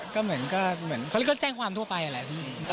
ก็เหมือนก็เขาเรียกว่าแจ้งความทั่วไปอ่ะแหละ